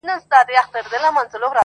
ستاسو خوږو مینوالو سره شریکوم !